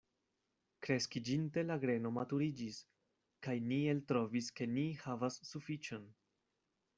Kreskiĝinte la greno maturiĝis, kaj ni eltrovis, ke ni havas sufiĉon.